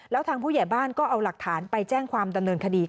แล้วทางผู้ใหญ่บ้านก็เอาหลักฐานไปแจ้งความดำเนินคดี